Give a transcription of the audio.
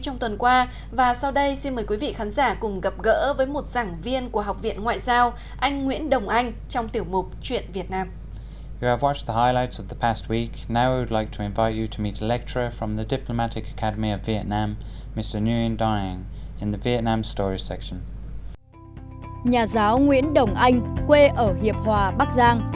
nhà giáo nguyễn đồng anh quê ở hiệp hòa bắc giang